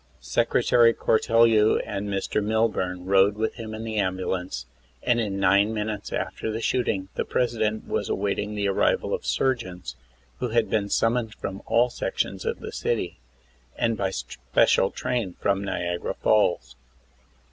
Secretary Cortel you and Mr. Milburn rode with him in the ambulance, and in nine minutes after the shooting the President was awaiting the arrival of surgeons, who had been summoned from all sections of the city, and by special train from Niagara Falls.